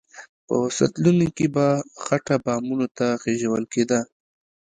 په سطلونو کې به خټه بامونو ته خېژول کېده.